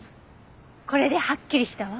これではっきりしたわ。